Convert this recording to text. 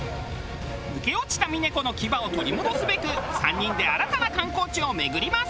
抜け落ちた峰子の牙を取り戻すべく３人で新たな観光地を巡ります。